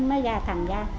mới ra thành ra